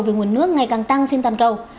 về nguồn nước ngày càng tăng trên toàn cầu